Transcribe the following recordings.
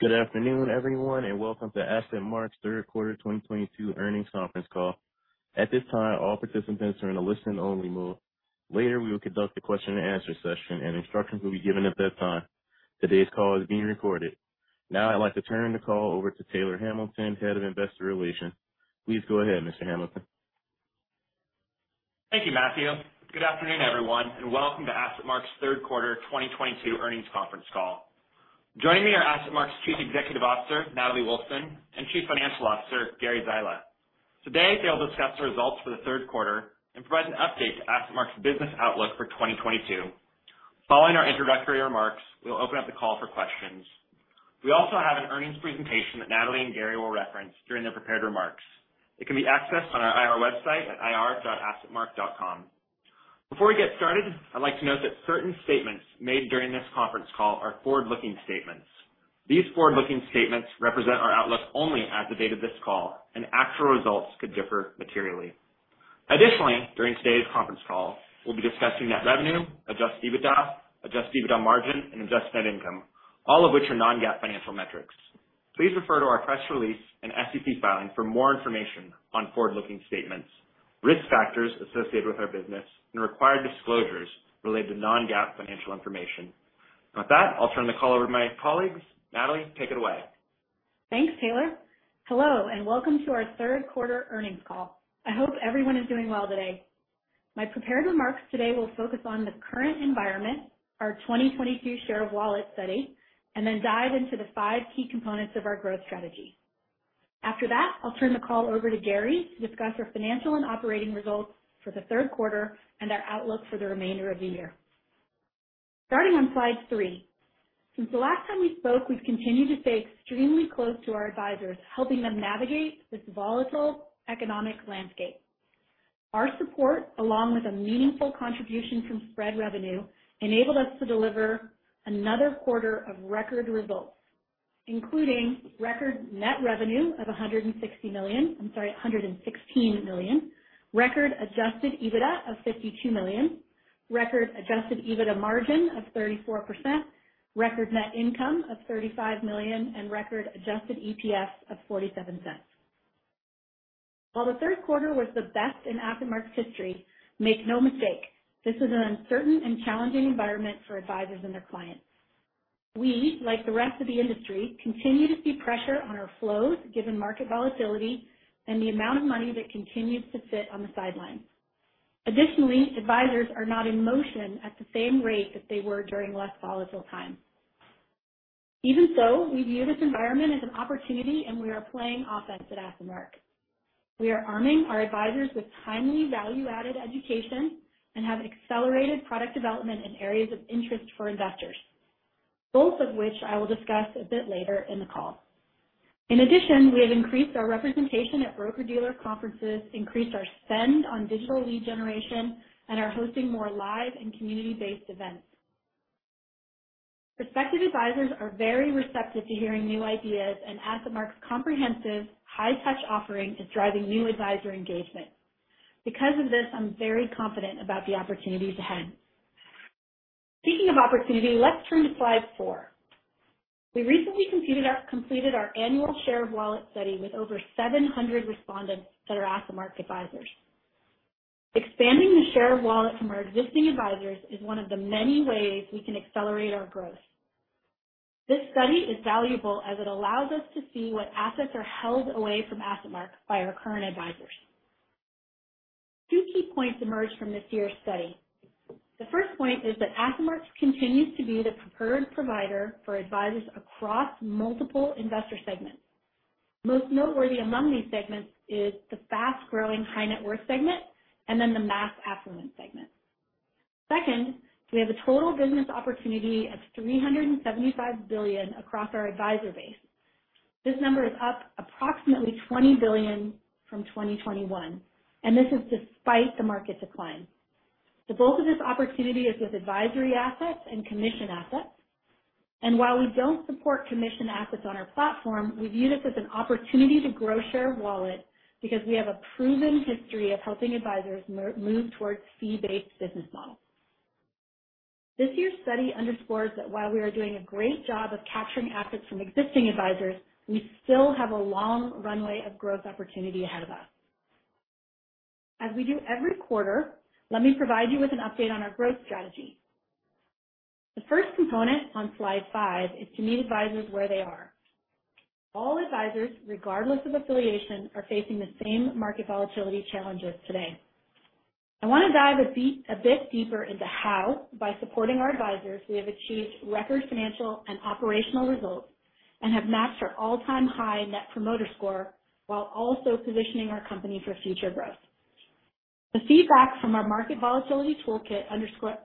Good afternoon, everyone, and Welcome to AssetMark's Third Quarter 2022 Earnings Conference Call. At this time, all participants are in a listen-only mode. Later, we will conduct a question and answer session, and instructions will be given at that time. Today's call is being recorded. Now I'd like to turn the call over to Taylor Hamilton, Head of Investor Relations. Please go ahead, Mr. Hamilton. Thank you, Matthew. Good afternoon everyone, and welcome to AssetMark's third quarter 2022 earnings conference call. Joining me are AssetMark's Chief Executive Officer, Natalie Wolfsen, and Chief Financial Officer, Gary Zyla. Today, they'll discuss the results for the third quarter and provide an update to AssetMark's business outlook for 2022. Following our introductory remarks, we will open up the call for questions. We also have an earnings presentation that Natalie and Gary will reference during their prepared remarks. It can be accessed on our IR website at ir.assetmark.com. Before we get started, I'd like to note that certain statements made during this conference call are forward-looking statements. These forward-looking statements represent our outlook only as of the date of this call, and actual results could differ materially. Additionally, during today's conference call, we'll be discussing net revenue, adjusted EBITDA, adjusted EBITDA margin, and adjusted net income, all of which are non-GAAP financial metrics. Please refer to our press release and SEC filing for more information on forward-looking statements, risk factors associated with our business, and required disclosures related to non-GAAP financial information. With that, I'll turn the call over to my colleagues. Natalie, take it away. Thanks, Taylor. Hello, and welcome to our third quarter earnings call. I hope everyone is doing well today. My prepared remarks today will focus on the current environment, our 2022 Share of Wallet study, and then dive into the five key components of our growth strategy. After that, I'll turn the call over to Gary to discuss our financial and operating results for the third quarter and our outlook for the remainder of the year. Starting on slide three. Since the last time we spoke, we've continued to stay extremely close to our advisors, helping them navigate this volatile economic landscape. Our support, along with a meaningful contribution from Spread Revenue, enabled us to deliver another quarter of record results, including record net revenue of $116 million, record adjusted EBITDA of $52 million, record adjusted EBITDA margin of 34%, record net income of $35 million, and record adjusted EPS of $0.47. While the third quarter was the best in AssetMark's history, make no mistake, this is an uncertain and challenging environment for advisors and their clients. We, like the rest of the industry, continue to see pressure on our flows given market volatility and the amount of money that continues to sit on the sidelines. Additionally, advisors are not in motion at the same rate that they were during less volatile times. Even so, we view this environment as an opportunity, and we are playing offense at AssetMark. We are arming our advisors with timely value-added education and have accelerated product development in areas of interest for investors, both of which I will discuss a bit later in the call. In addition, we have increased our representation at broker-dealer conferences, increased our spend on digital lead generation, and are hosting more live and community-based events. Prospective advisors are very receptive to hearing new ideas, and AssetMark's comprehensive high touch offering is driving new advisor engagement. Because of this, I'm very confident about the opportunities ahead. Speaking of opportunity, let's turn to slide four. We recently completed our annual Share of Wallet study with over 700 respondents that are AssetMark advisors. Expanding the Share of Wallet from our existing advisors is one of the many ways we can accelerate our growth. This study is valuable as it allows us to see what assets are held away from AssetMark by our current advisors. Two key points emerged from this year's study. The first point is that AssetMark continues to be the preferred provider for advisors across multiple investor segments. Most noteworthy among these segments is the fast-growing high net worth segment and then the mass affluent segment. Second, we have a total business opportunity of $375 billion across our advisor base. This number is up approximately $20 billion from 2021, and this is despite the market decline. The bulk of this opportunity is with advisory assets and commission assets, and while we don't support commission assets on our platform, we view this as an opportunity to grow Share of Wallet because we have a proven history of helping advisors move towards fee-based business models. This year's study underscores that while we are doing a great job of capturing assets from existing advisors, we still have a long runway of growth opportunity ahead of us. As we do every quarter, let me provide you with an update on our growth strategy. The first component on slide five is to meet advisors where they are. All advisors, regardless of affiliation, are facing the same market volatility challenges today. I want to dive a bit deeper into how, by supporting our advisors, we have achieved record financial and operational results and have matched our all-time high Net Promoter Score while also positioning our company for future growth. The feedback from our market volatility toolkit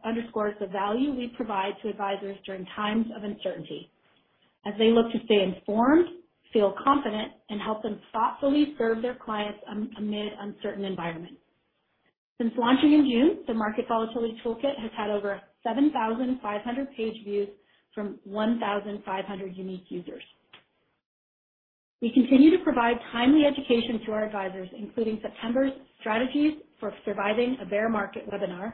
underscores the value we provide to advisors during times of uncertainty as they look to stay informed, feel confident, and help them thoughtfully serve their clients amid uncertain environments. Since launching in June, the market volatility toolkit has had over 7,500 page views from 1,500 unique users. We continue to provide timely education to our advisors, including September's Strategies for Surviving a Bear Market webinar,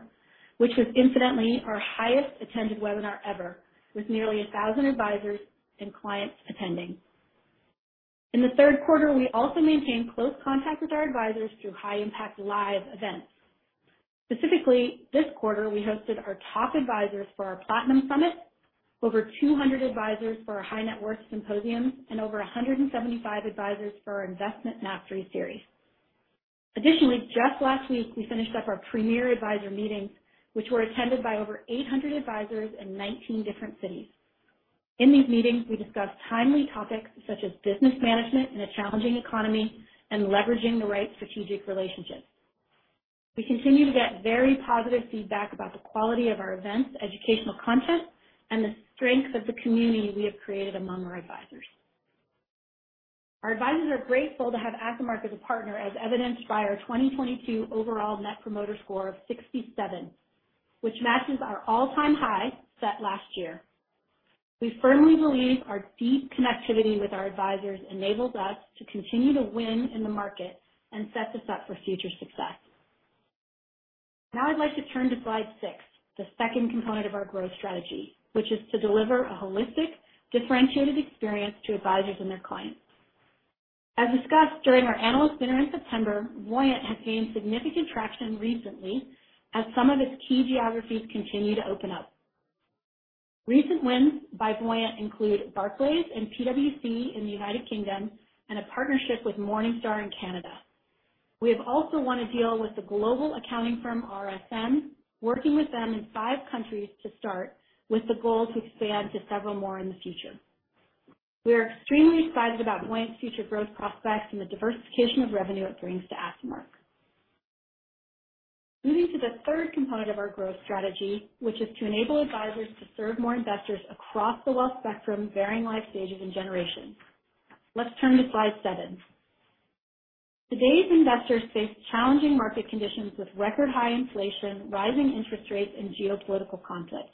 which was incidentally our highest attended webinar ever, with nearly 1,000 advisors and clients attending. In the third quarter, we also maintained close contact with our advisors through high impact live events. Specifically, this quarter, we hosted our top advisors for our platinum summit, over 200 advisors for our high net worth symposium, and over 175 advisors for our investment mastery series. Additionally, just last week, we finished up our premier advisor meetings, which were attended by over 800 advisors in 19 different cities. In these meetings, we discussed timely topics such as business management in a challenging economy and leveraging the right strategic relationships. We continue to get very positive feedback about the quality of our events, educational content, and the strength of the community we have created among our advisors. Our advisors are grateful to have AssetMark as a partner, as evidenced by our 2022 overall Net Promoter Score of 67, which matches our all-time high set last year. We firmly believe our deep connectivity with our advisors enables us to continue to win in the market and sets us up for future success. Now I'd like to turn to slide six, the second component of our growth strategy, which is to deliver a holistic, differentiated experience to advisors and their clients. As discussed during our analyst dinner in September, Voyant has gained significant traction recently as some of its key geographies continue to open up. Recent wins by Voyant include Barclays and PwC in the United Kingdom, and a partnership with Morningstar in Canada. We have also won a deal with the global accounting firm RSM, working with them in five countries to start, with the goal to expand to several more in the future. We are extremely excited about Voyant's future growth prospects and the diversification of revenue it brings to AssetMark. Moving to the third component of our growth strategy, which is to enable advisors to serve more investors across the wealth spectrum, varying life stages and generations. Let's turn to slide seven. Today's investors face challenging market conditions with record high inflation, rising interest rates, and geopolitical conflict.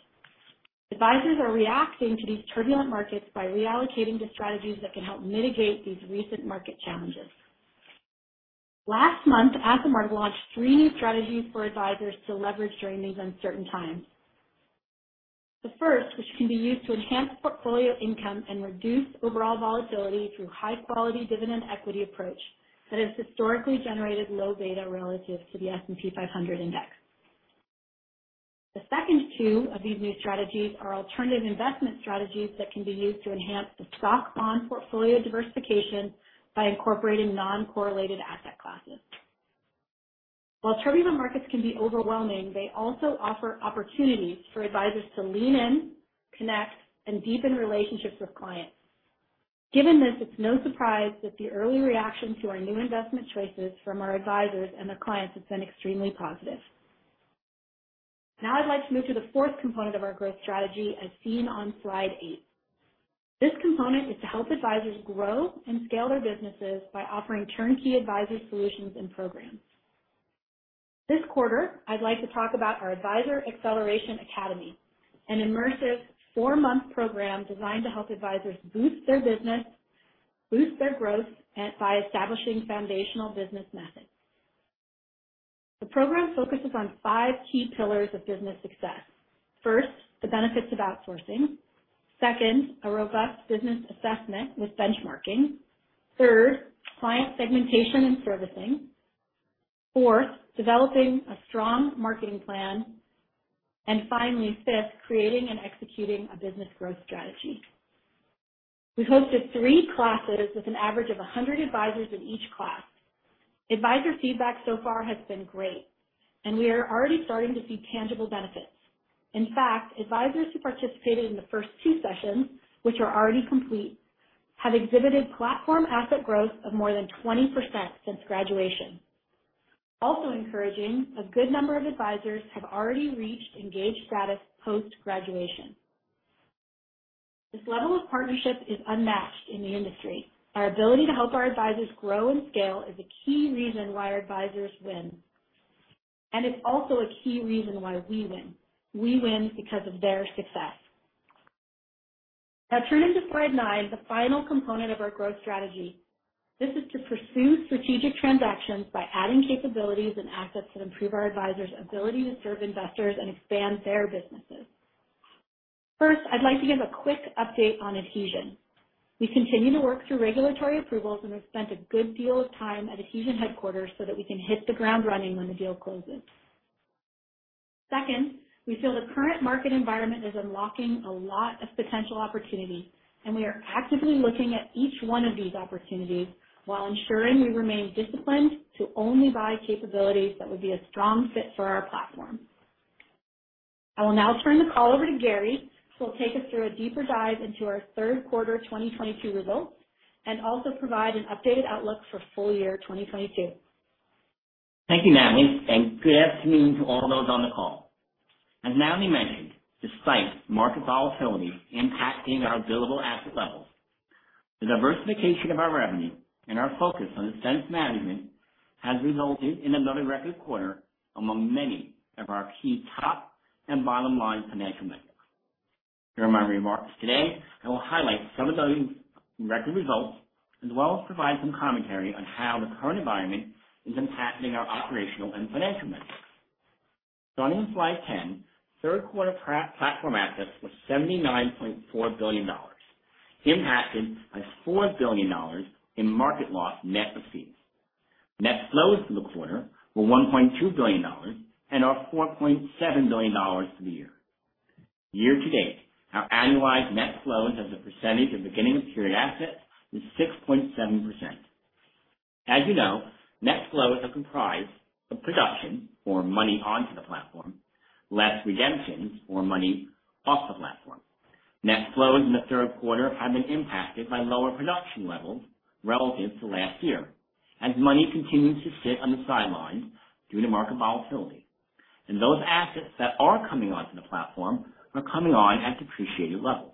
Advisors are reacting to these turbulent markets by reallocating to strategies that can help mitigate these recent market challenges. Last month, AssetMark launched three new strategies for advisors to leverage during these uncertain times. The first, which can be used to enhance portfolio income and reduce overall volatility through high-quality dividend equity approach that has historically generated low beta relative to the S&P 500 index. The other two of these new strategies are alternative investment strategies that can be used to enhance the stock-bond portfolio diversification by incorporating non-correlated asset classes. While turbulent markets can be overwhelming, they also offer opportunities for advisors to lean in, connect, and deepen relationships with clients. Given this, it's no surprise that the early reaction to our new investment choices from our advisors and their clients has been extremely positive. Now I'd like to move to the fourth component of our growth strategy as seen on slide eight. This component is to help advisors grow and scale their businesses by offering turnkey advisory solutions and programs. This quarter, I'd like to talk about our Advisor Acceleration Academy, an immersive four-month program designed to help advisors boost their business, boost their growth and by establishing foundational business methods. The program focuses on Five key Pillars of business success. First the benefits of outsourcing. Second, a robust business assessment with benchmarking. Third, client segmentation and servicing. Fourth, developing a strong marketing plan. Finally, Fifth, creating and executing a business growth strategy. We hosted three classes with an average of 100 advisors in each class. Advisor feedback so far has been great, and we are already starting to see tangible benefits. In fact, advisors who participated in the first two sessions, which are already complete, have exhibited platform asset growth of more than 20% since graduation. Also encouraging, a good number of advisors have already reached Engaged Status post-graduation. This level of partnership is unmatched in the industry. Our ability to help our advisors grow and scale is a key reason why our advisors win, and it's also a key reason why we win. We win because of their success. Now turning to slide nine, the final component of our growth strategy. This is to pursue strategic transactions by adding capabilities and assets that improve our advisors' ability to serve investors and expand their businesses. First, I'd like to give a quick update on Adhesion. We continue to work through regulatory approvals, and we've spent a good deal of time at Adhesion Wealth headquarters so that we can hit the ground running when the deal closes. Second, we feel the current market environment is unlocking a lot of potential opportunity, and we are actively looking at each one of these opportunities while ensuring we remain disciplined to only buy capabilities that would be a strong fit for our platform. I will now turn the call over to Gary Zyla, who will take us through a deeper dive into our third quarter 2022 results, and also provide an updated outlook for full year 2022. Thank you, Natalie, and good afternoon to all those on the call. As Natalie mentioned, despite market volatility impacting our billable asset levels, the diversification of our revenue and our focus on expense management has resulted in another record quarter among many of our key top and bottom line financial metrics. During my remarks today, I will highlight some of those record results, as well as provide some commentary on how the current environment is impacting our operational and financial mix. Starting on slide 10, third quarter platform assets was $79.4 billion, impacted by $4 billion in market loss, net of fees. Net flows for the quarter were $1.2 billion and are $4.7 billion for the year. Year to date, our annualized net flows as a percentage of beginning of period assets was 6.7%. As you know, net flows are comprised of production or money onto the platform, less redemptions or money off the platform. Net flows in the third quarter have been impacted by lower production levels relative to last year, as money continues to sit on the sidelines due to market volatility. Those assets that are coming onto the platform are coming on at depreciated levels.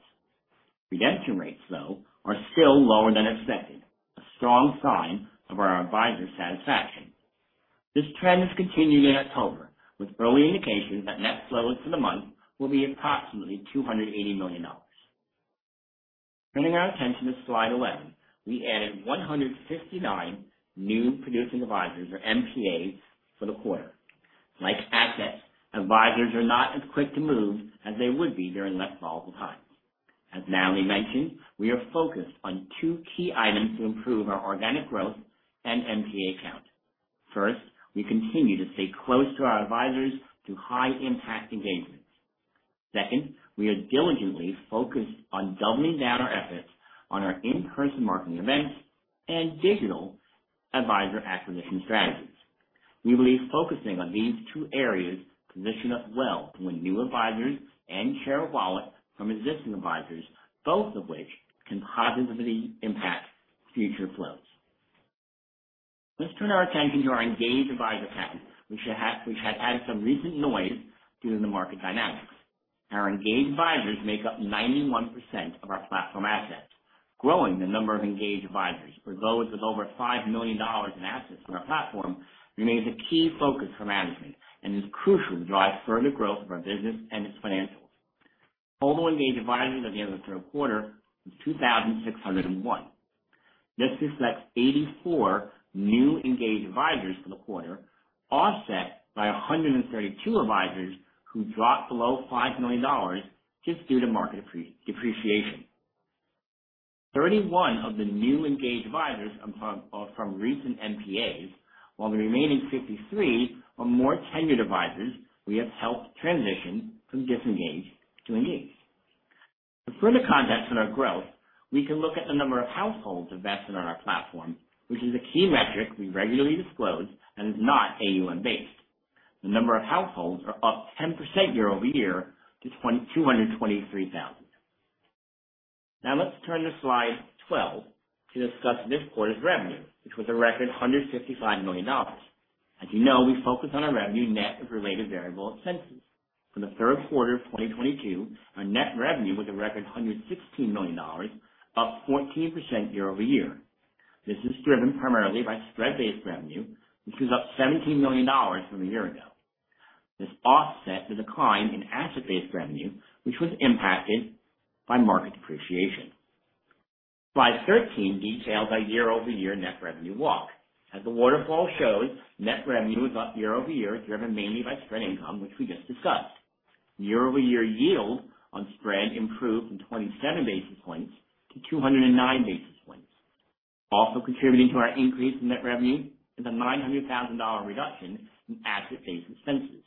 Redemption rates, though, are still lower than expected, a strong sign of our advisors' satisfaction. This trend has continued in October, with early indications that net flows for the month will be approximately $280 million. Turning our attention to slide 11, we added 159 new producing advisors or NPAs for the quarter. Like assets, advisors are not as quick to move as they would be during less volatile times. As Natalie mentioned, we are focused on two key items to improve our organic growth and NPA count. First, we continue to stay close to our advisors through high impact engagements. Second, we are diligently focused on doubling down our efforts on our in-person marketing events and digital advisor acquisition strategies. We believe focusing on these two areas position us well to win new advisors and share wallet from existing advisors, both of which can positively impact future flows. Let's turn our attention to our engaged advisor count. We have had some recent noise due to the market dynamics. Our engaged advisors make up 91% of our platform assets. Growing the number of engaged advisors or those with over $5 million in assets on our platform remains a key focus for management and is crucial to drive further growth of our business and its financials. Total engaged advisors at the end of the third quarter was 2,601. This reflects 84 new engaged advisors for the quarter, offset by 132 advisors who dropped below $5 million just due to market depreciation. 31 of the new engaged advisors are from recent NPAs, while the remaining 53 are more tenured advisors we have helped transition from disengaged to engaged. For further context on our growth, we can look at the number of households invested on our platform, which is a key metric we regularly disclose and is not AUM-based. The number of households are up 10% year-over-year to 2,223,000. Now let's turn to slide 12 to discuss this quarter's revenue, which was a record $155 million. As you know, we focus on our revenue net of related variable expenses. For the third quarter of 2022, our net revenue was a record $116 million, up 14% year-over-year. This is driven primarily by spread-based revenue, which is up $17 million from a year ago. This offset the decline in asset-based revenue, which was impacted by market depreciation. Slide 13 details our year-over-year net revenue walk. As the waterfall shows, net revenue was up year-over-year, driven mainly by spread income, which we just discussed. Year-over-year yield on spread improved from 27 basis points to 209 basis points. Also contributing to our increase in net revenue is a $900,000 reduction in asset-based expenses.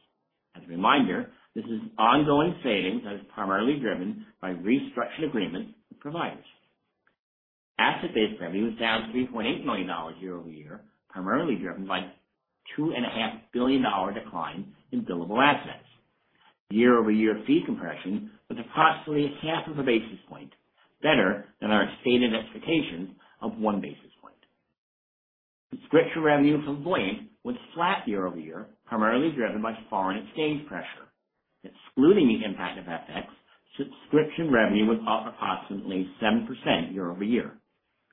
As a reminder, this is ongoing savings that is primarily driven by restructuring agreements with providers. Asset-based revenue was down $3.8 million year-over-year, primarily driven by $2.5 billion dollar decline in billable assets. Year-over-year fee compression was approximately 0.5 of a basis point, better than our stated expectations of 1 basis point. Subscription revenue from Voyant was flat year-over-year, primarily driven by foreign exchange pressure. Excluding the impact of FX, subscription revenue was up approximately 7% year-over-year.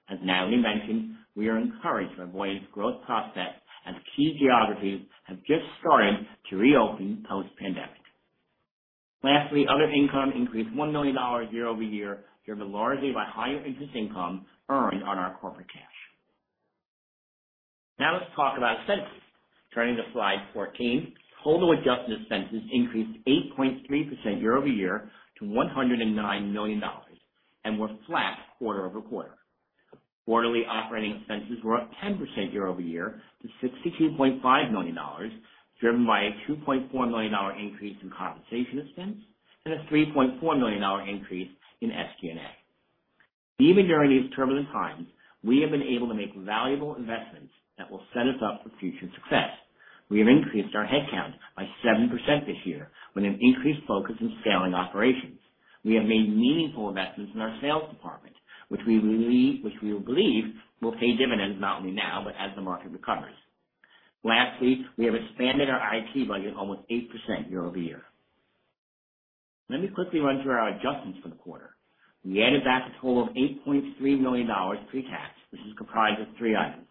As Natalie mentioned, we are encouraged by Voyant's growth prospects as key geographies have just started to reopen post-pandemic. Lastly, other income increased $1 million year-over-year, driven largely by higher interest income earned on our corporate cash. Now let's talk about expenses. Turning to slide 14. Total adjusted expenses increased 8.3% year-over-year to $109 million and were flat quarter-over-quarter. Quarterly operating expenses were up 10% year-over-year to $62.5 million, driven by a $2.4 million increase in compensation expense and a $3.4 million increase in SG&A. Even during these turbulent times, we have been able to make valuable investments that will set us up for future success. We have increased our headcount by 7% this year with an increased focus on scaling operations. We have made meaningful investments in our sales department, which we believe will pay dividends not only now, but as the market recovers. Lastly, we have expanded our IT budget almost 8% year-over-year. Let me quickly run through our adjustments for the quarter. We added back a total of $8.3 million pre-tax, which is comprised of three items.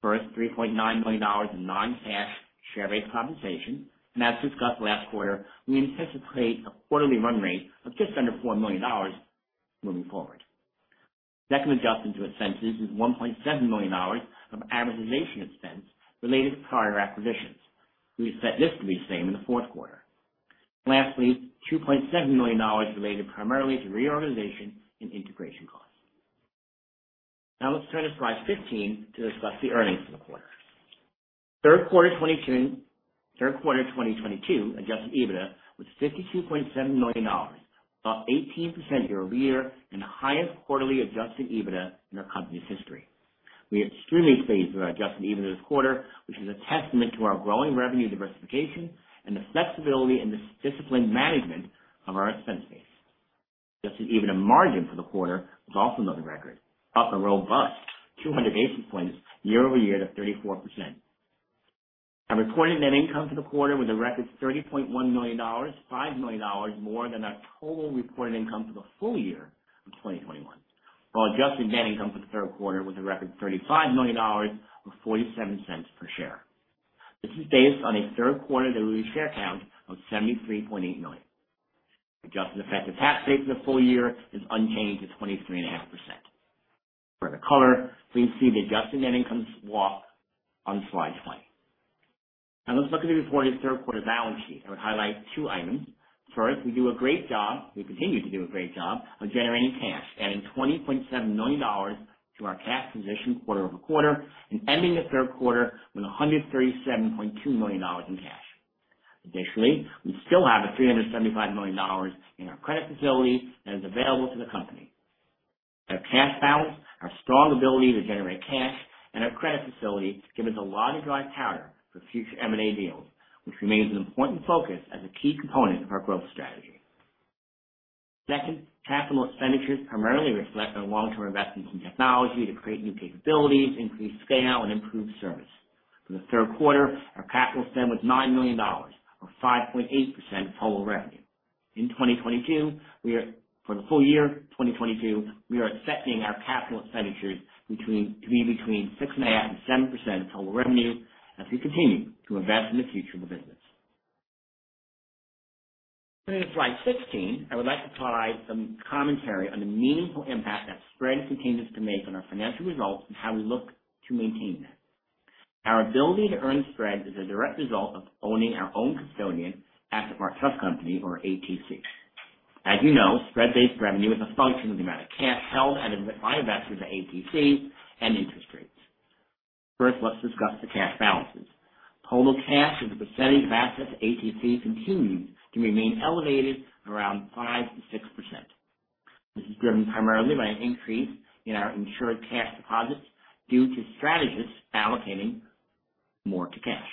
First, $3.9 million in non-cash share-based compensation. As discussed last quarter, we anticipate a quarterly run rate of just under $4 million moving forward. Second adjustment to expenses is $1.7 million of amortization expense related to prior acquisitions. We expect this to be the same in the fourth quarter. Lastly, $2.7 million related primarily to reorganization and integration costs. Now let's turn to slide 15 to discuss the earnings for the quarter. Third quarter 2022 adjusted EBITDA was $52.7 million, up 18% year-over-year, and the highest quarterly adjusted EBITDA in our company's history. We are extremely pleased with our adjusted EBITDA this quarter, which is a testament to our growing revenue diversification and the flexibility and disciplined management of our expense base. Adjusted EBITDA margin for the quarter was also another record, up a robust 200 basis points year-over-year to 34%. Our recorded net income for the quarter was a record $30.1 million, $5 million more than our total reported income for the full year of 2021. Adjusted net income for the third quarter was a record $35 million, or $0.47 per share. This is based on a third quarter diluted share count of $73.8 million. Adjusted effective tax rate for the full year is unchanged to 23.5%. For the color, please see the adjusted net income walk on slide 20. Now let's look at the reported third quarter balance sheet. I would highlight two items. We continue to do a great job of generating cash, adding $20.7 million to our cash position quarter-over-quarter, and ending the third quarter with $137.2 million in cash. Additionally, we still have $375 million in our credit facility that is available to the company. Our cash balance, our strong ability to generate cash, and our credit facility give us a lot of dry powder for future M&A deals, which remains an important focus as a key component of our growth strategy. Second, capital expenditures primarily reflect our long-term investments in technology to create new capabilities, increase scale, and improve service. For the third quarter, our capital spend was $9 million, or 5.8% of total revenue. In 2022, for the full year 2022, we are expecting our capital expenditures to be between 6.5% and 7% of total revenue as we continue to invest in the future of the business. Turning to slide 16, I would like to provide some commentary on the meaningful impact that spread continues to make on our financial results and how we look to maintain that. Our ability to earn spread is a direct result of owning our own custodian, AssetMark Trust Company or ATC. As you know, spread-based revenue is a function of the amount of cash held by investors at ATC and interest rates. First, let's discuss the cash balances. Total cash as a percentage of assets at ATC continues to remain elevated at around 5%-6%. This is driven primarily by an increase in our insured cash deposits due to strategists allocating more to cash.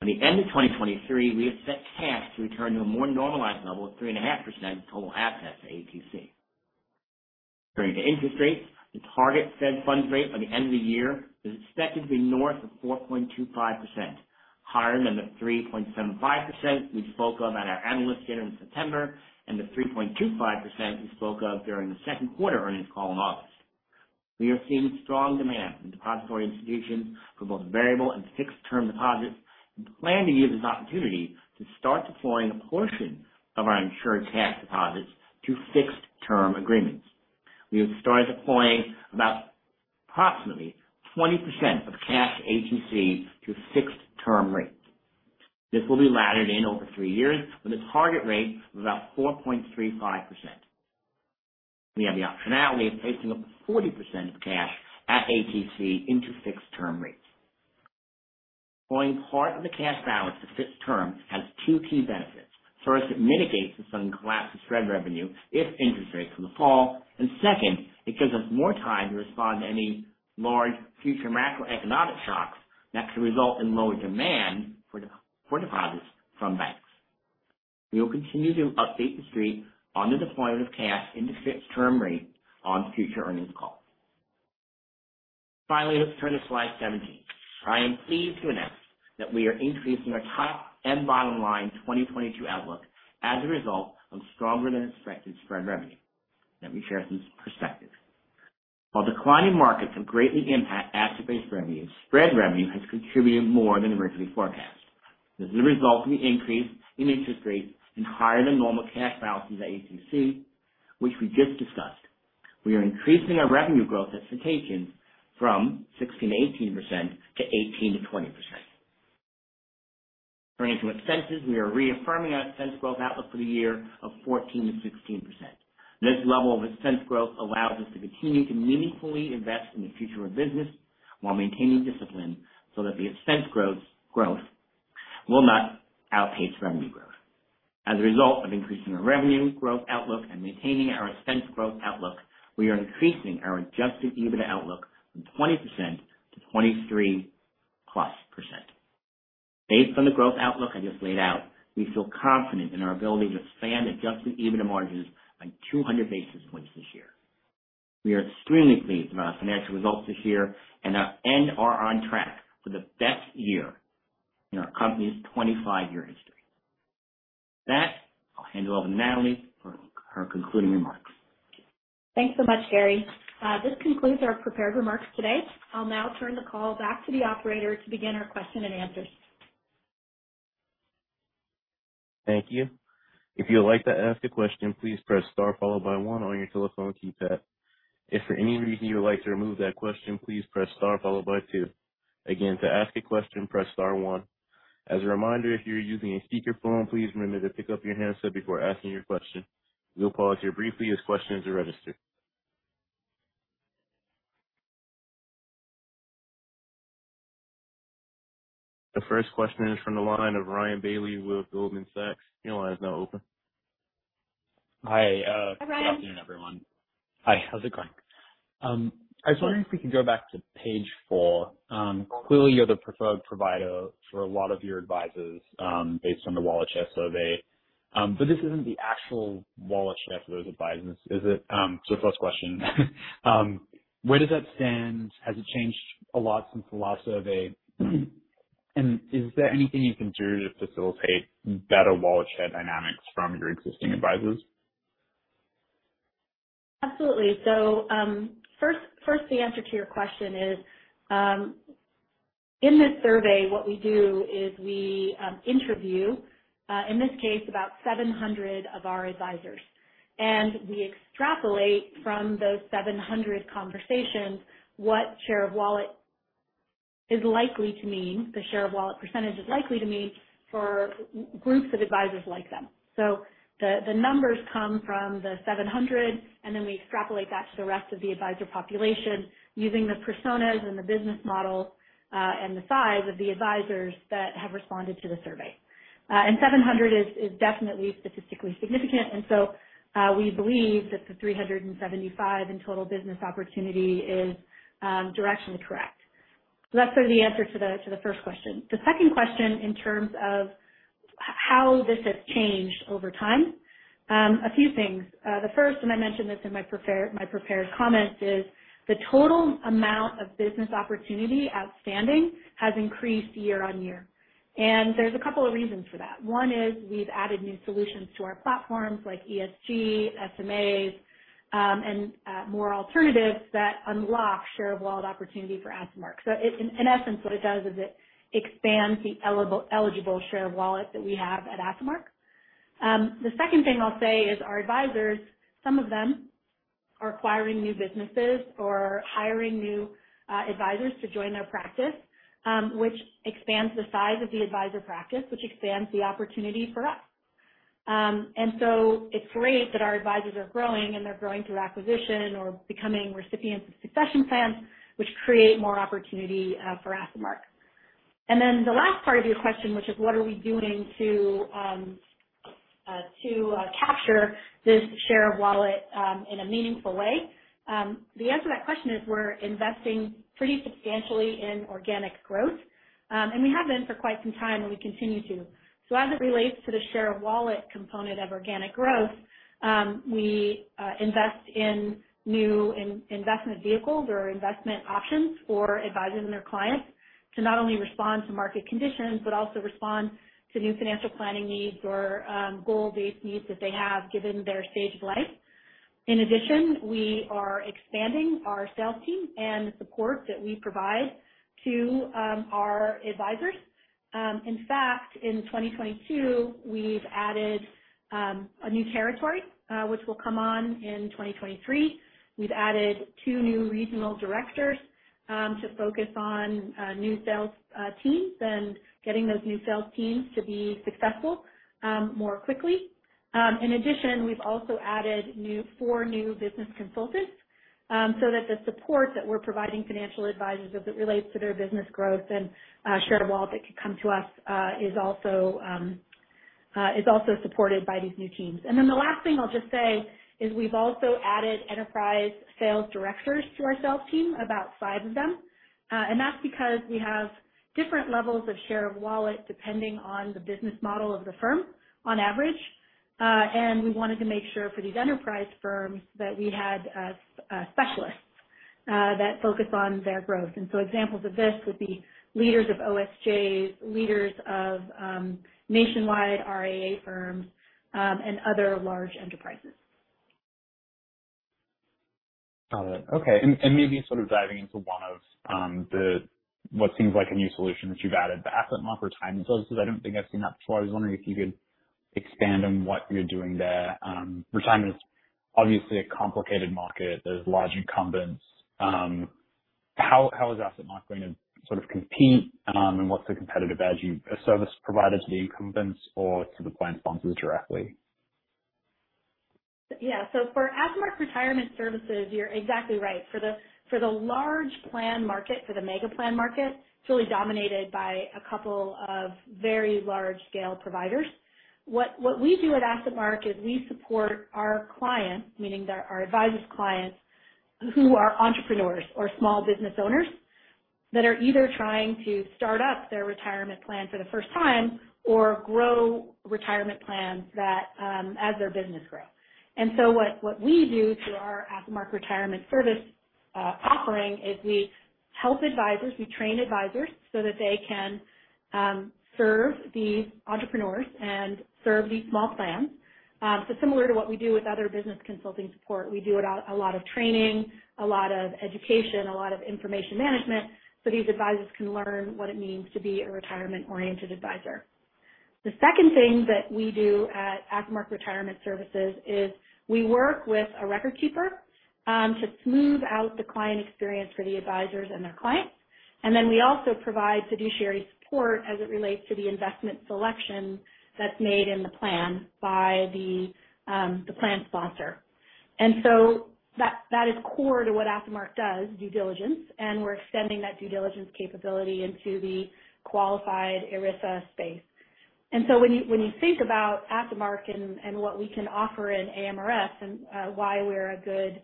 By the end of 2023, we expect cash to return to a more normalized level of 3.5% of total assets at ATC. Turning to interest rates, the target Federal funds rate by the end of the year is expected to be north of 4.25%, higher than the 3.75% we spoke of at our analyst dinner in September, and the 3.25% we spoke of during the second quarter earnings call in August. We are seeing strong demand from depository institutions for both variable and fixed term deposits, and plan to use this opportunity to start deploying a portion of our insured cash deposits to fixed term agreements. We have started deploying about approximately 20% of cash at ATC to fixed term rates. This will be laddered in over three years with a target rate of about 4.35%. We have the optionality of placing up to 40% of cash at ATC into fixed term rates. Deploying part of the cash balance to fixed term has two key benefits. First, it mitigates the sudden collapse of Spread Revenue if interest rates were to fall. Second, it gives us more time to respond to any large future macroeconomic shocks that could result in lower demand for deposits from banks. We will continue to update the Street on the deployment of cash into fixed term rates on future earnings calls. Finally, let's turn to slide 17. I am pleased to announce that we are increasing our top and bottom line 2022 outlook as a result of stronger than expected Spread Revenue. Let me share some perspective. While declining markets have greatly impacted asset-based revenue, Spread Revenue has contributed more than originally forecast. This is a result of the increase in interest rates and higher than normal cash balances at ATC, which we just discussed. We are increasing our revenue growth expectations from 16%-18% to 18%-20%. Turning to expenses, we are reaffirming our expense growth outlook for the year of 14%-16%. This level of expense growth allows us to continue to meaningfully invest in the future of business while maintaining discipline so that the expense growth will not outpace revenue growth. As a result of increasing our revenue growth outlook and maintaining our expense growth outlook, we are increasing our adjusted EBITDA outlook from 20% to 23%+. Based on the growth outlook I just laid out, we feel confident in our ability to expand adjusted EBITDA margins by 200 basis points this year. We are extremely pleased with our financial results this year and are on track for the best year in our company's 25-year history. With that, I'll hand it over to Natalie for her concluding remarks. Thanks so much, Gary. This concludes our prepared remarks today. I'll now turn the call back to the operator to begin our question and answers. Thank you. If you would like to ask a question, please press star followed by one on your telephone keypad. If for any reason you would like to remove that question, please press star followed by two. Again, to ask a question, press star one. As a reminder, if you're using a speakerphone, please remember to pick up your handset before asking your question. We'll pause here briefly as questions are registered. The first question is from the line of Ryan Bailey with Goldman Sachs. Your line is now open. Hi. Hi, Ryan. Good afternoon, everyone. Hi, how's it going? I was wondering if we could go back to page four. Clearly you're the preferred provider for a lot of your advisors, based on the wallet share survey. This isn't the actual wallet share for those advisors, is it? First question. Where does that stand? Has it changed a lot since the last survey? Is there anything you can do to facilitate better wallet share dynamics from your existing advisors? Absolutely. First the answer to your question is, in this survey, what we do is we interview in this case about 700 of our advisors. We extrapolate from those 700 conversations what Share of Wallet is likely to mean, the Share of Wallet percentage is likely to mean for groups of advisors like them. The numbers come from the 700, and then we extrapolate that to the rest of the advisor population using the personas and the business model, and the size of the advisors that have responded to the survey. 700 is definitely statistically significant. We believe that the $375 in total business opportunity is directionally correct. That's sort of the answer to the first question. The second question in terms of how this has changed over time. A few things. The first, I mentioned this in my prepared comments, is the total amount of business opportunity outstanding has increased year-over-year. There's a couple of reasons for that. One is we've added new solutions to our platforms like ESG, SMAs, and more alternatives that unlock Share of Wallet opportunity for AssetMark. In essence, what it does is it expands the eligible Share of Wallet that we have at AssetMark. The second thing I'll say is our advisors, some of them are acquiring new businesses or hiring new advisors to join their practice, which expands the size of the advisor practice, which expands the opportunity for us. It's great that our advisors are growing, and they're growing through acquisition or becoming recipients of succession plans, which create more opportunity for AssetMark. The last part of your question, which is what are we doing to capture this Share of Wallet in a meaningful way. The answer to that question is we're investing pretty substantially in organic growth. We have been for quite some time, and we continue to. As it relates to the Share of Wallet component of organic growth, we invest in new investment vehicles or investment options for advisors and their clients to not only respond to market conditions, but also respond to new financial planning needs or goal-based needs that they have given their stage of life. In addition, we are expanding our sales team and the support that we provide to our advisors. In fact, in 2022, we've added a new territory, which will come on in 2023. We've added two new regional directors to focus on new sales teams and getting those new sales teams to be successful more quickly. In addition, we've also added four new business consultants, so that the support that we're providing financial advisors as it relates to their business growth and Share of Wallet that could come to us is also supported by these new teams. The last thing I'll just say is we've also added enterprise sales directors to our sales team, about five of them. That's because we have different levels of Share of Wallet depending on the business model of the firm on average. We wanted to make sure for these enterprise firms that we had specialists that focus on their growth. Examples of this would be leaders of OSJ's, leaders of nationwide RIA firms, and other large enterprises. Got it. Okay. Maybe sort of diving into one of the what seems like a new solution that you've added, the AssetMark Retirement Services. I don't think I've seen that before. I was wondering if you could expand on what you're doing there. Retirement is obviously a complicated market. There's large incumbents. How is AssetMark going to sort of compete, and what's the competitive edge? Are you a service provider to the incumbents or to the plan sponsors directly? Yeah. For AssetMark Retirement Services, you're exactly right. For the large plan market, for the mega plan market, it's really dominated by a couple of very large scale providers. What we do at AssetMark is we support our clients, meaning their, our advisors' clients who are entrepreneurs or small business owners that are either trying to start up their retirement plan for the first time or grow retirement plans that, as their business grows. What we do through our AssetMark Retirement Service offering is we help advisors, we train advisors so that they can serve these entrepreneurs and serve these small plans. Similar to what we do with other business consulting support, we do a lot of training, a lot of education, a lot of information management, so these advisors can learn what it means to be a retirement-oriented advisor. The second thing that we do at AssetMark Retirement Services is we work with a record keeper to smooth out the client experience for the advisors and their clients. We also provide fiduciary support as it relates to the investment selection that's made in the plan by the plan sponsor. That is core to what AssetMark does, due diligence, and we're extending that due diligence capability into the qualified ERISA space. When you think about AssetMark and what we can offer in AMRS and why we're a good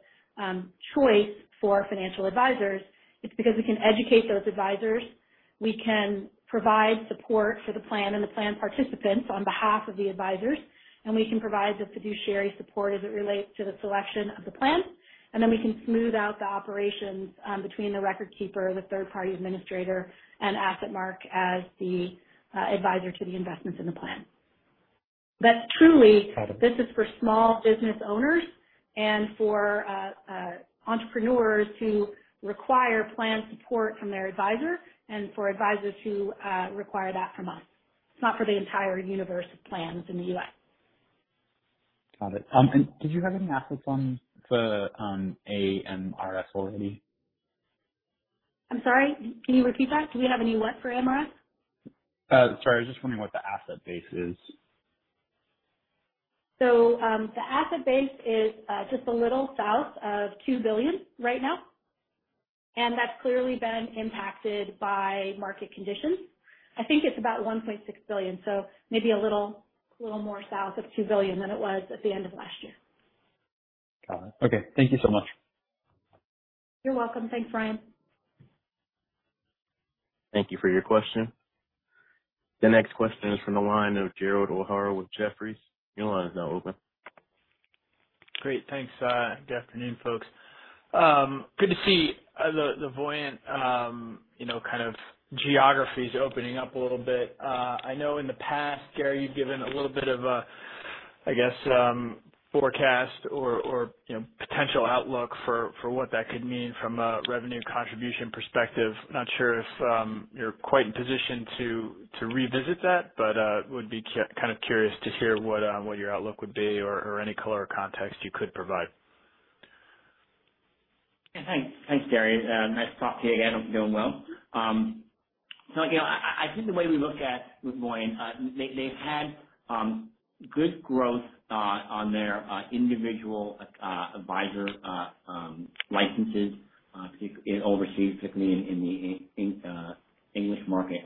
choice for financial advisors, it's because we can educate those advisors, we can provide support for the plan and the plan participants on behalf of the advisors, and we can provide the fiduciary support as it relates to the selection of the plan. We can smooth out the operations between the record keeper, the third-party administrator, and AssetMark as the advisor to the investments in the plan. Truly. Got it. This is for small business owners and for entrepreneurs who require plan support from their advisor and for advisors who require that from us. It's not for the entire universe of plans in the U.S. Got it. Did you have any assets on the AMRS already? I'm sorry. Can you repeat that? Do we have any what for AMRS? Sorry. I was just wondering what the asset base is. The asset base is just a little south of $2 billion right now, and that's clearly been impacted by market conditions. I think it's about $1.6 billion, so maybe a little more south of $2 billion than it was at the end of last year. Got it. Okay. Thank you so much. You're welcome. Thanks, Ryan. Thank you for your question. The next question is from the line of Gerald O'Hara with Jefferies. Your line is now open. Great. Thanks. Good afternoon, folks. Good to see the Voyant, you know, kind of geographies opening up a little bit. I know in the past, Gary, you've given a little bit of a, I guess, forecast or, you know, potential outlook for what that could mean from a revenue contribution perspective. Not sure if you're quite in position to revisit that, but would be kind of curious to hear what your outlook would be or any color or context you could provide. Yeah. Thanks. Thanks, Gary. Nice to talk to you again. I'm doing well. You know, I think the way we look at with Voyant, they had good growth on their individual advisor licenses, particularly overseas, particularly in the English market.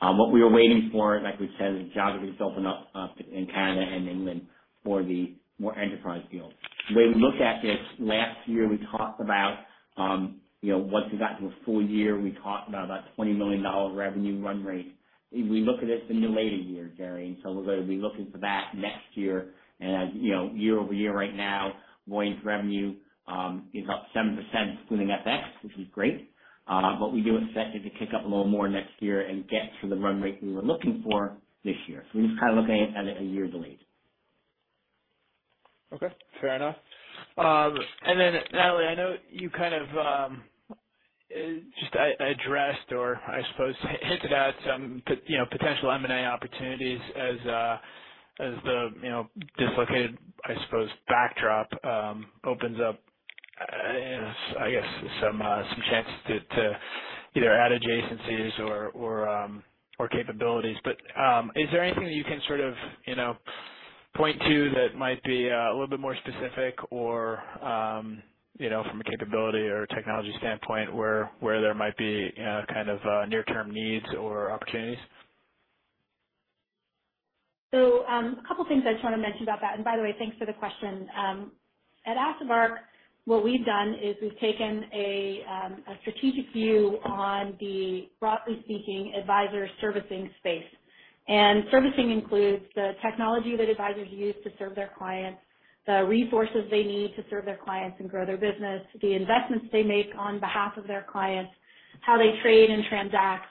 What we were waiting for, like we said, is geographies to open up in Canada and England for the more enterprise deals. The way we look at this, last year we talked about, you know, once we got to a full year, we talked about $20 million revenue run rate. We look at it in the later year, Gary, and so we're going to be looking for that next year. As you know, year-over-year right now, Voyant’s revenue is up 7% including FX, which is great. But we do expect it to kick up a little more next year and get to the run rate we were looking for this year. We're just kind of looking at it a year delayed. Okay, fair enough. Natalie, I know you kind of just addressed or I suppose hinted at some, you know, potential M&A opportunities as the, you know, dislocated, I suppose, backdrop opens up, I guess some chances to either add adjacencies or capabilities. Is there anything that you can sort of, you know, point to that might be a little bit more specific or, you know, from a capability or technology standpoint where there might be kind of near-term needs or opportunities? A couple things I just wanna mention about that. By the way, thanks for the question. At AssetMark, what we've done is we've taken a strategic view on the, broadly speaking, advisor servicing space. Servicing includes the technology that advisors use to serve their clients, the resources they need to serve their clients and grow their business, the investments they make on behalf of their clients, how they trade and transact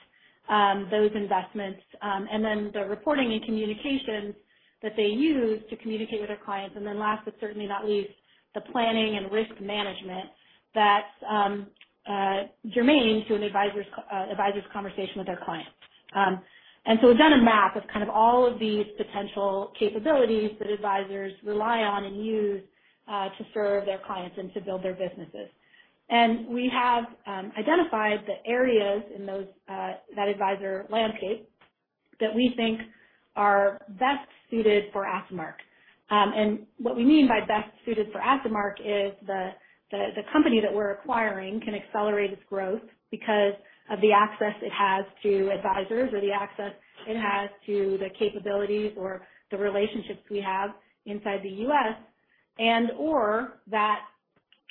those investments, and then the reporting and communication that they use to communicate with their clients. Then last, but certainly not least, the planning and risk management that germane to an advisor's conversation with their clients. We've done a map of kind of all of these potential capabilities that advisors rely on and use to serve their clients and to build their businesses. We have identified the areas in those that advisor landscape that we think are best suited for AssetMark. What we mean by best suited for AssetMark is the company that we're acquiring can accelerate its growth because of the access it has to advisors or the access it has to the capabilities or the relationships we have inside the U.S. and or that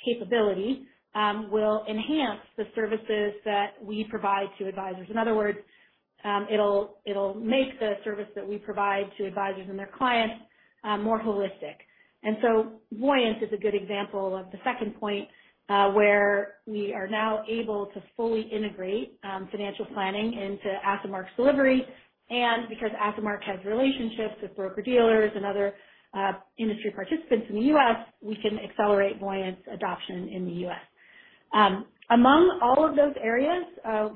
capability will enhance the services that we provide to advisors. In other words, it'll make the service that we provide to advisors and their clients more holistic. Voyant is a good example of the second point, where we are now able to fully integrate financial planning into AssetMark's delivery. Because AssetMark has relationships with broker-dealers and other industry participants in the U.S., we can accelerate Voyant adoption in the U.S. Among all of those areas,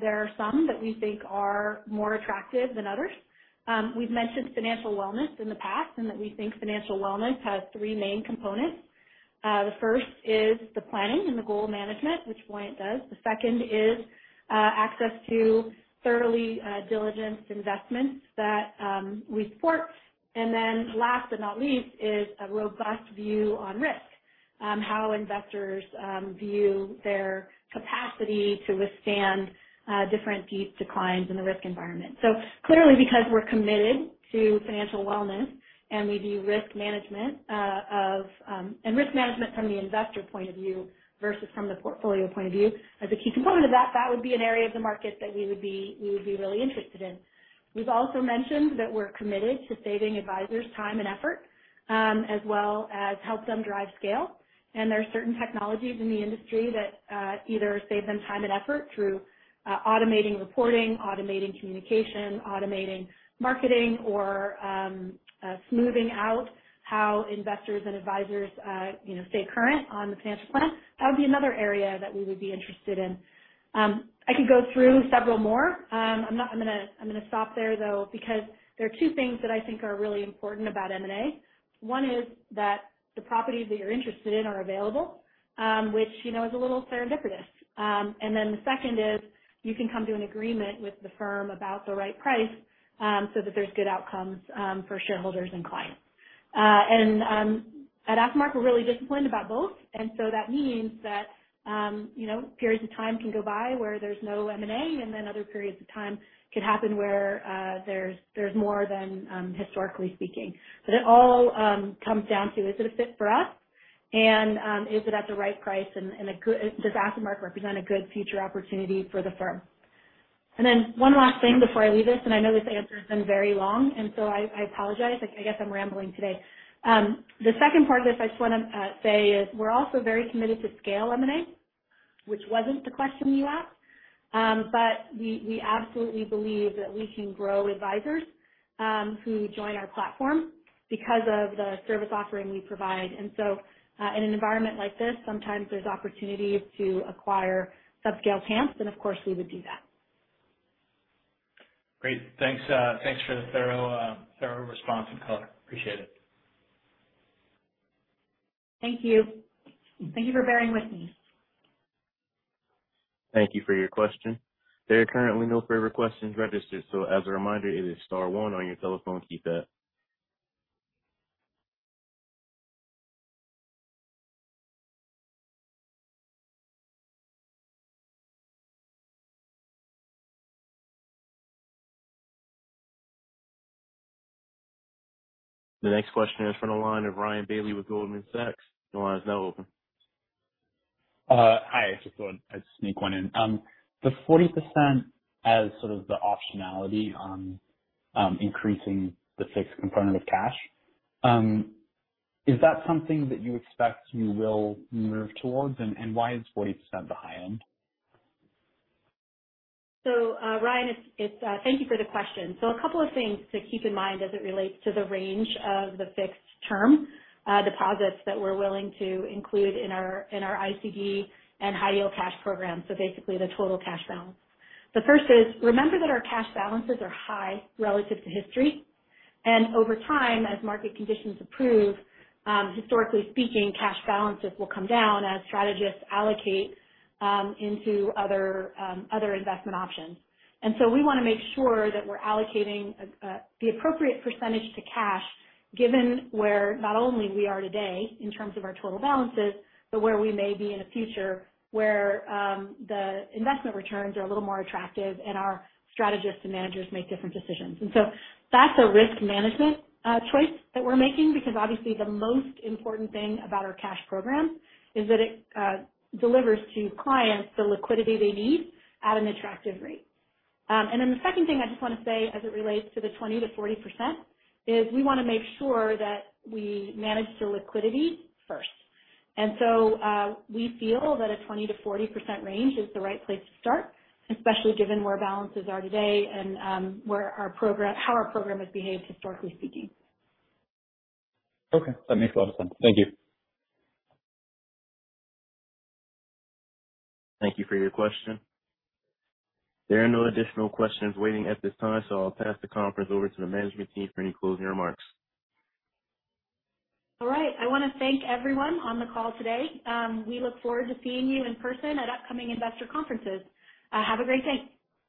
there are some that we think are more attractive than others. We've mentioned financial wellness in the past, and that we think financial wellness has three main components. The first is the planning and the goal management, which Voyant does. The second is access to thoroughly diligent investments that we support. Last but not least is a robust view on risk, on how investors view their capacity to withstand different deep declines in the risk environment. Clearly because we're committed to financial wellness and we do risk management from the investor point of view versus from the portfolio point of view, as a key component of that would be an area of the market that we would be really interested in. We've also mentioned that we're committed to saving advisors time and effort, as well as help them drive scale. There are certain technologies in the industry that either save them time and effort through automating reporting, automating communication, automating marketing, or smoothing out how investors and advisors, you know, stay current on the financial plan. That would be another area that we would be interested in. I could go through several more. I'm gonna stop there, though, because there are two things that I think are really important about M&A. One is that the properties that you're interested in are available, which, you know, is a little serendipitous. Then the second is you can come to an agreement with the firm about the right price, so that there's good outcomes for shareholders and clients. At AssetMark, we're really disciplined about both. That means that, you know, periods of time can go by where there's no M&A, and then other periods of time could happen where there's more than historically speaking. It all comes down to is it a fit for us, and is it at the right price and a good. Does AssetMark represent a good future opportunity for the firm? One last thing before I leave this, and I know this answer has been very long, so I apologize. I guess I'm rambling today. The second part of this I just wanna say is we're also very committed to scale M&A, which wasn't the question you asked. We absolutely believe that we can grow advisors who join our platform because of the service offering we provide. In an environment like this, sometimes there's opportunities to acquire sub-scale TAMPs, and of course we would do that. Great. Thanks for the thorough response and color. Appreciate it. Thank you. Thank you for bearing with me. Thank you for your question. There are currently no further questions registered, so as a reminder, it is star one on your telephone keypad. The next question is from the line of Ryan Bailey with Goldman Sachs. Your line is now open. Hi. I just thought I'd sneak one in. The 40% as sort of the optionality on increasing the fixed component of cash is that something that you expect you will move towards? Why is 40% the high end? Thank you for the question. A couple of things to keep in mind as it relates to the range of the fixed term deposits that we're willing to include in our ICD and high yield cash program, basically the total cash balance. The first is remember that our cash balances are high relative to history. Over time, as market conditions improve, historically speaking, cash balances will come down as strategists allocate into other investment options. We wanna make sure that we're allocating the appropriate percentage to cash given where not only we are today in terms of our total balances, but where we may be in the future, where the investment returns are a little more attractive and our strategists and managers make different decisions. That's a risk management choice that we're making because obviously the most important thing about our cash program is that it delivers to clients the liquidity they need at an attractive rate. The second thing I just wanna say as it relates to the 20%-40% is we wanna make sure that we manage the liquidity first. We feel that a 20%-40% range is the right place to start, especially given where balances are today and where our program has behaved historically speaking. Okay. That makes a lot of sense. Thank you. Thank you for your question. There are no additional questions waiting at this time, so I'll pass the conference over to the management team for any closing remarks. All right. I wanna thank everyone on the call today. We look forward to seeing you in person at upcoming investor conferences. Have a great day.